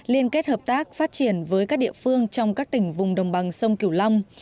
liên kết hợp tác phát triển với các địa phương trong các tỉnh vùng đồng bằng sông kiều long